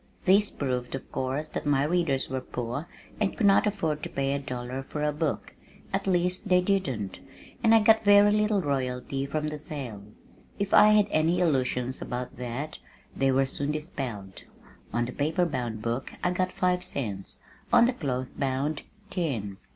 This proved of course, that my readers were poor and could not afford to pay a dollar for a book, at least they didn't, and I got very little royalty from the sale. If I had any illusions about that they were soon dispelled. On the paper bound book I got five cents, on the cloth bound, ten.